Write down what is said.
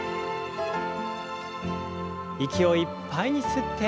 息をいっぱいに吸って。